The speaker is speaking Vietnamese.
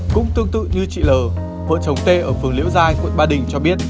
cũng tương tự như chị l vợ chồng tê ở phường liễu giai quận ba đình cho biết